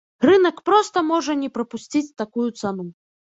Рынак проста можа не прапусціць такую цану.